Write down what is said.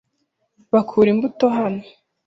Bakura imbuto hano.